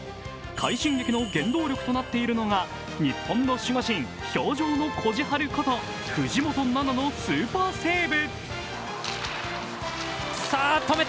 快進撃の原動力となっているのが日本の守護神、氷上のこじはること藤本那菜のスーパーセーブ。